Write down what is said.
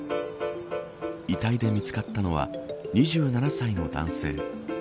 遺体で見つかったのは２７歳の男性。